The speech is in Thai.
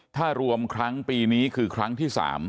ถ้ารวมครั้งปีนี้คือครั้งที่๓